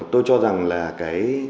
tôi cho rằng là